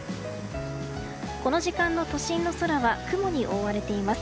この時間の都心の空は雲に覆われています。